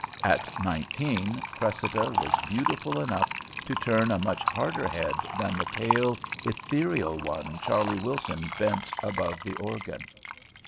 At nineteen Cressida was beautiful enough to turn a much harder head than the pale, ethereal one Charley Wilton bent above the organ.